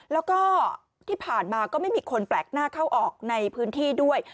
แล้วก็ที่ผ่านมาก็ไม่มีคนแปลกหน้าเข้าออกในพื้นที่ด้วย